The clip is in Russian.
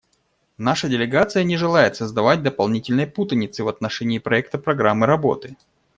Наша делегация не желает создавать дополнительной путаницы в отношении проекта программы работы.